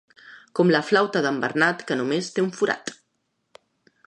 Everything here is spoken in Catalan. Com la flauta d'en Bernat, que només té un forat.